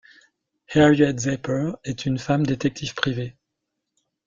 Harriet Zapper est une femme détective privé.